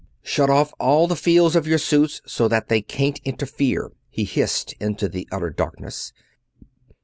"Shut off all the fields of your suits, so that they can't interfere!" he hissed into the utter darkness.